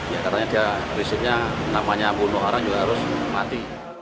ya karena dia prinsipnya namanya bunuh orang juga harus mati